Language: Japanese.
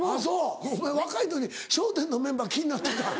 お前若いのに『笑点』のメンバー気になってたん？